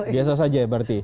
biasa saja berarti